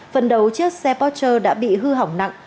phần đầu chiếc xe pocher đã bị hư hỏng nặng